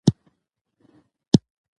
په غریبانو باندې رحم کوئ.